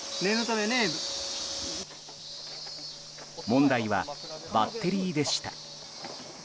問題はバッテリーでした。